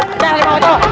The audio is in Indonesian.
pilih harimau itu